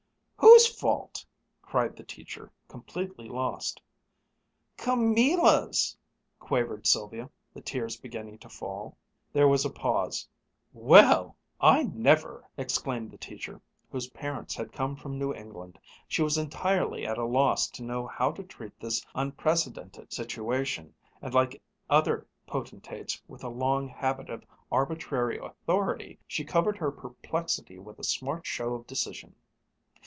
"Whose fault!" cried the teacher, completely lost. "Camilla's," quavered Sylvia, the tears beginning to fall. There was a pause. "Well I never!" exclaimed the teacher, whose parents had come from New England. She was entirely at a loss to know how to treat this unprecedented situation, and like other potentates with a long habit of arbitrary authority, she covered her perplexity with a smart show of decision.